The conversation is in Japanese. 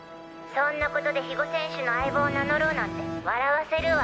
そんな事で比護選手の相棒を名乗ろうなんて笑わせるわ！